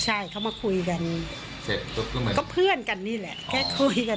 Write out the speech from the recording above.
ใช่เขามาคุยกันเพื่อนกันนี่แหละแค่คุยกัน